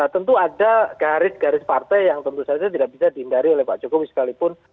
tentu ada garis garis partai yang tentu saja tidak bisa dihindari oleh pak jokowi sekalipun